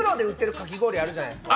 かき氷あるじゃないですか。